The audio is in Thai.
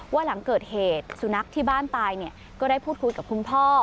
หลังเกิดเหตุสุนัขที่บ้านตายก็ได้พูดคุยกับคุณพ่อ